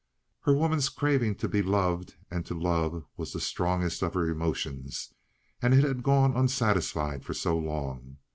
Her woman's craving to be loved and to love was the strongest of her emotions, and it had gone unsatisfied for so long.